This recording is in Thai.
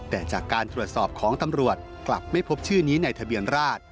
แต่จากการตรวจสอบของตำรวจกลับไม่พบชื่อนี้ในทะเบียนราช